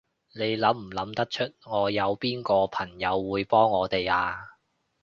你諗唔諗得出，你有邊個朋友會幫我哋啊？